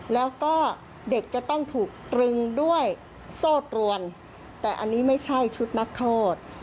แล้วก็เด็กจะต้องถูกตรึงด้วยโซ่ตรวนแต่อันนี้ไม่ใช่ชุดนักโทษ